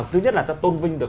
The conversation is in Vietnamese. thứ nhất là tôn vinh được